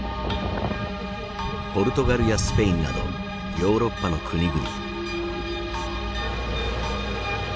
ポルトガルやスペインなどヨーロッパの国々。